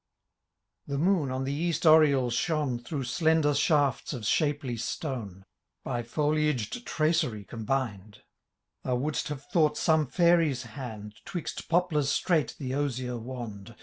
The moon on the east oriel shone' Through slender shafts of shapely stone. By foliaged traceiy combined ; Thou wouldst have tiiought some fiuiy^ hand Twixt poplars straight the ozier wand.